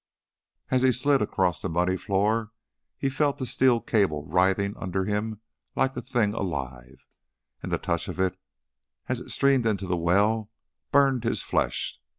As he slid across the muddy floor he felt the steel cable writhing under him like a thing alive, and the touch of it as it streamed into the well burned his flesh.